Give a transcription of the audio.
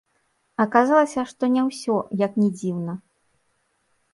Аказалася, што не ўсё, як ні дзіўна.